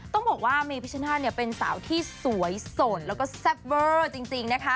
ต้องบอกว่าเมพิชนาธิเนี่ยเป็นสาวที่สวยสดแล้วก็แซ่บเวอร์จริงนะคะ